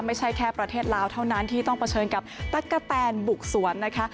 ไม่ใช่แค่ประเทศลาวเท่านั้นที่ต้องเผชิญกับตั๊กกะแตนบุกสวนนะคะ